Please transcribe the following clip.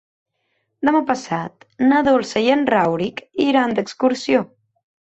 Demà passat na Dolça i en Rauric iran d'excursió.